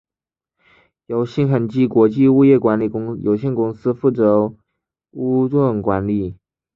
由新恒基国际物业管理有限公司负责屋邨管理。